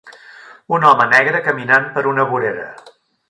Un home negre caminant per una vorera.